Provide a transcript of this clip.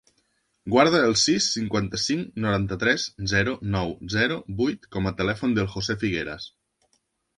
Guarda el sis, cinquanta-cinc, noranta-tres, zero, nou, zero, vuit com a telèfon del José Figueras.